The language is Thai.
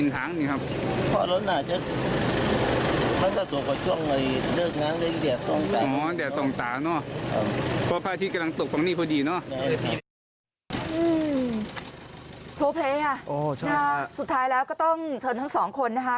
เพลงอ่ะสุดท้ายแล้วก็ต้องเชิญทั้งสองคนนะคะ